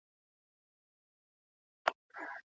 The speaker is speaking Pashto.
ولي د موخي لپاره تنده تر ټولو لوی ځواک دی؟